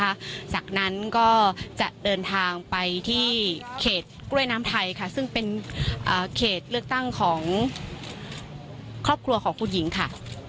หลังจากนั้นก็จะเดินทางไปที่เขตกล้วยน้ำไทยค่ะซึ่งเป็นเขตเลือกตั้งของครอบครัวของคุณหญิงค่ะ